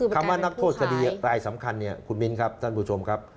คำว่านักโทษคดีรายสำคัญเนี่ยคุณมิ้นครับท่านผู้ชมครับ